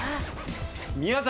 宮崎。